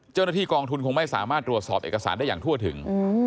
เจ้าหน้าที่กองทุนคงไม่สามารถตรวจสอบเอกสารได้อย่างทั่วถึง